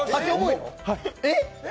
えっ！？